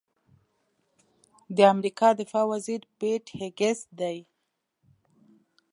د امریکا دفاع وزیر پیټ هېګسیت دی.